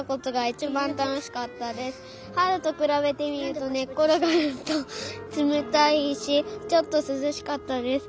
はるとくらべてみるとねっころがるとつめたいしちょっとすずしかったです。